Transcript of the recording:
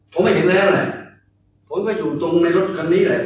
คืออยู่ในนักนิวในรถคันนี้